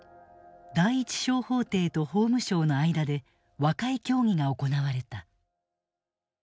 第一小法廷と法務省の間で和解協議が行われた。